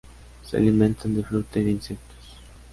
Se alimentan de fruta y de insectos.